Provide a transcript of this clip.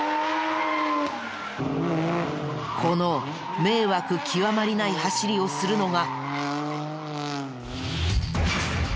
この迷惑極まりない走りをするのが。